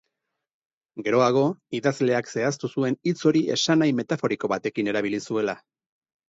Geroago, idazleak zehaztu zuen hitz hori esanahi metaforiko batekin erabili zuela.